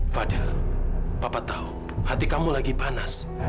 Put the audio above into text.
fadil papa tahu hati kamu lagi panas